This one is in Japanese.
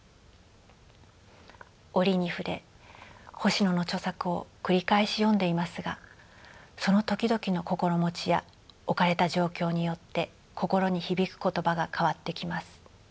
折に触れ星野の著作を繰り返し読んでいますがその時々の心持ちや置かれた状況によって心に響く言葉が変わってきます。